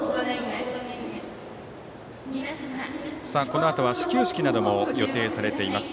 このあとは始球式なども予定されています。